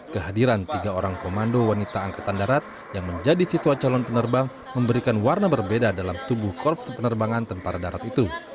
kehadiran tiga orang komando wanita angkatan darat yang menjadi siswa calon penerbang memberikan warna berbeda dalam tubuh korps penerbangan tentara darat itu